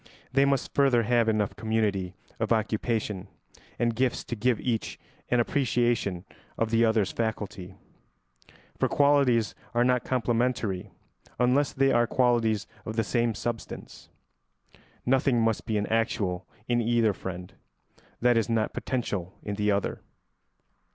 They must further have enough community of occupation and gifts to give each an appreciation of the other's faculty; for qualities are not complementary unless they are qualities of the same substance. Nothing must be actual in either friend that is not potential in the other.